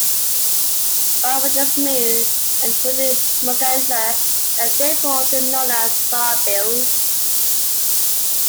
Along with the smew and hooded merganser, they are therefore often known as "sawbills".